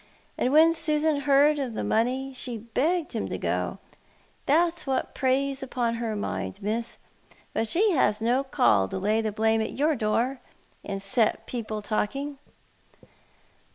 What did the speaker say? And when Susan heard of the money, she begged him to go — that's what preys uDon her mind. Miss; but she has no call to lay the blame at your door, and set people talking."